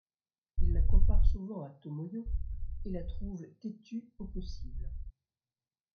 Il la compare souvent à Tomoyo, et la trouve têtue au possible.